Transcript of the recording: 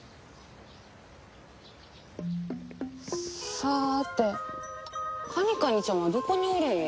さーてカニカニちゃんはどこにおるんや？